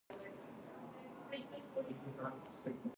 あの映画の結末、あなたはどう思う？私は少し納得いかなかったな。